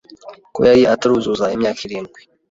ko yari ataruzuza imyaka irindwi.